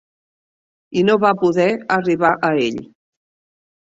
I no va poder arribar a ell.